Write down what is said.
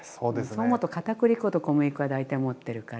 そう思うとかたくり粉と小麦粉は大体持ってるから。